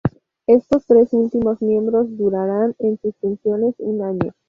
Estos tres últimos miembros durarán en sus funciones un año.